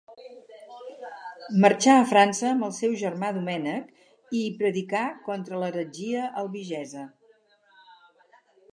Marxà a França amb el seu germà Domènec, i hi predicà contra l'heretgia albigesa.